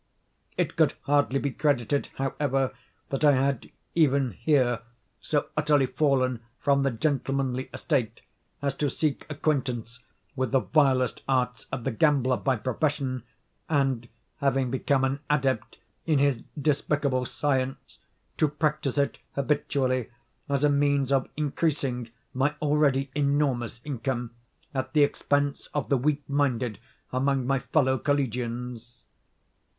It could hardly be credited, however, that I had, even here, so utterly fallen from the gentlemanly estate, as to seek acquaintance with the vilest arts of the gambler by profession, and, having become an adept in his despicable science, to practise it habitually as a means of increasing my already enormous income at the expense of the weak minded among my fellow collegians.